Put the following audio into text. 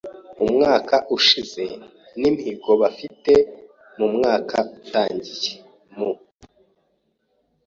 umwaka ushize n’imihigo bafi te mu mwaka utangiye mu